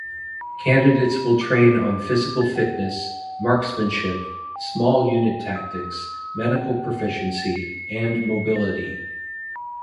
Candidates will train on physical fitness, marksmanship, small unit tactics, medical proficiency and mobility.